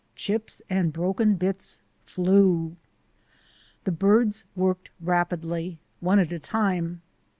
Chips and broken bits flew. The birds worked rapidly, one at a time.